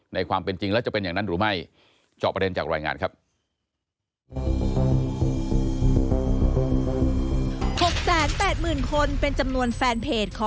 ในความเป็นจริงแล้วจะเป็นอย่างนั้นหรือไม่